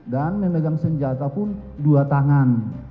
dan menegang senjata pun dua tangan